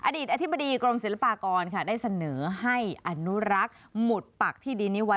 อดีตอธิบดีกรมศิลปากรค่ะได้เสนอให้อนุรักษ์หมุดปักที่ดินนี้ไว้